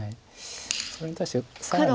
それに対して更に。